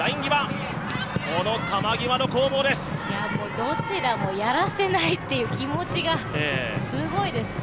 どちらもやらせないっていう気持ちがすごいです。